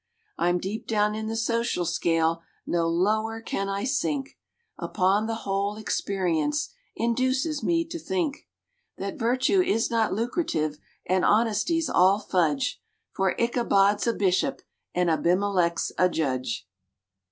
I'm deep down in the social scale, no lower can I sink; Upon the whole, experience induces me to think That virtue is not lucrative, and honesty's all fudge, For Ichabod's a Bishop and Abimelech's a Judge!